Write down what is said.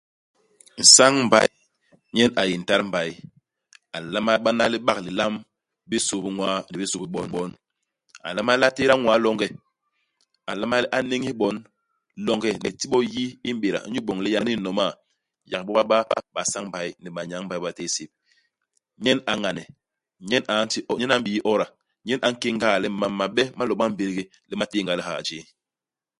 Nsañ-mbay nyen a yé ntat-mbay. A nlama bana libak lilam i bisu bi ñwaa ni i bisu bi bon. A nlama le a tééda ñwaa longe. A nlama le a n'néñés bon longe ni ti bo yi i m'béda inyu iboñ le yaani ni nomaa, yak bo ba ba basañ-mbay ni banyañ-mbay ba téé sép. Nyen a ñane, nyen a nti o nyen a m'bii oda, nyén a nkéñ-ngaa le mam mabe ma lo bañ i mbégdé le ma téénga lihaa jéé.